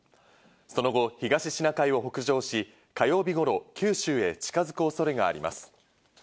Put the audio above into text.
その後、東シナ海を北上し、火曜日頃、九州へ近づく恐れがあります。